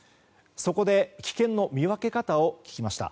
そこで危険の見分け方を聞きました。